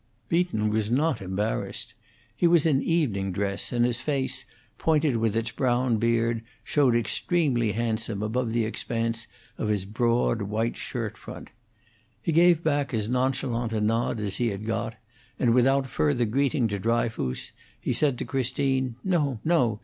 Beaton was not embarrassed. He was in evening dress, and his face, pointed with its brown beard, showed extremely handsome above the expanse of his broad, white shirt front. He gave back as nonchalant a nod as he had got, and, without further greeting to Dryfoos, he said to Christine: "No, no.